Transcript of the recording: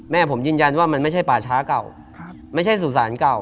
แม่ผมยืนยันว่ามันไม่ใช่ป่าช้าเก่าไม่ใช่สุสานเก่า